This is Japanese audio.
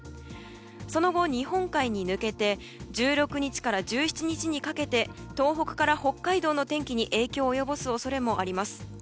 その後、日本海に抜けて１６日から１７日にかけて東北から北海道の天気に影響を及ぼす可能性があります。